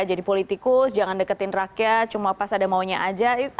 jadi politikus jangan deketin rakyat cuma pas ada maunya saja